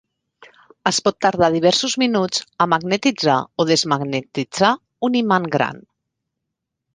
Es pot tardar diversos minuts a magnetitzar o desmagnetitzar un imant gran.